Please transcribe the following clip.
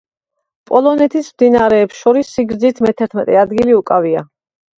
პოლონეთის მდინარეებს შორის სიგრძით მეთერთმეტე ადგილი უკავია.